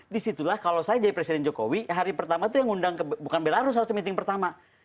disitulah kalau saya jadi presiden jokowi hari pertama itu yang undang bukan belarus harus meeting pertama